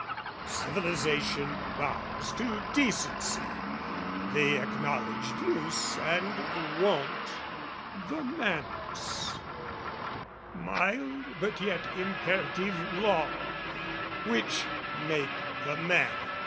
Civilisation bows to decency, The acknowledged use and wont, the manners, mild But yet imperative law, which make the man.